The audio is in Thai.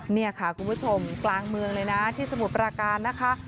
นี่ค่ะคุณผู้ชมกลางเมืองเลยนะที่สมุทรปราการนะคะ